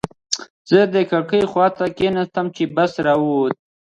زه د کړکۍ خواته کېناستم چې بس را ووت.